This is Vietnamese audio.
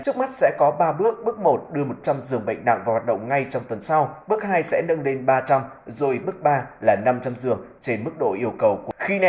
trước mắt sẽ có ba bước bước một đưa một trăm linh giường bệnh nặng vào hoạt động ngay trong tuần sau bước hai sẽ nâng lên ba trăm linh rồi bước ba là năm trăm linh giường trên mức độ yêu cầu của khi